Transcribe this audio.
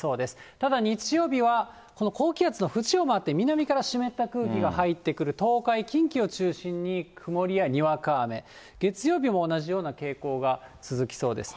ただ日曜日は、この高気圧の縁を回って南から湿った空気が入ってくる東海、近畿を中心に曇りやにわか雨、月曜日も同じような傾向が続きそうですね。